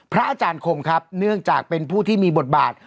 อาจารย์คงครับเนื่องจากเป็นผู้ที่มีบทบาท